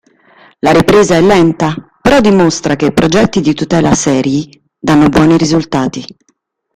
La ripresa è lenta, però dimostra che progetti di tutela seri danno buoni risultati.